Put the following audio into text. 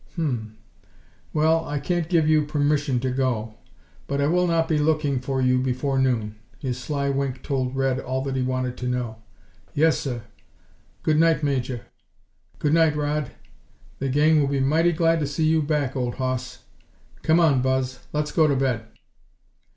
"Hm m! Well, I can't give you permission to go but I will not be looking for you before noon." His sly wink told Red all that he wanted to know. "Yes, sir. Good night, Major. Good night, Rodd. The gang will be mighty glad to see you back, old hoss! Come on, Buzz, let's go to bed."